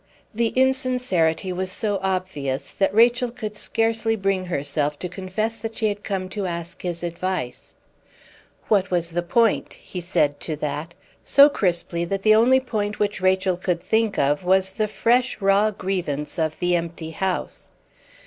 The insincerity was so obvious that Rachel could scarcely bring herself to confess that she had come to ask his advice. "What was the point?" he said to that, so crisply that the only point which Rachel could think of was the fresh, raw grievance of the empty house.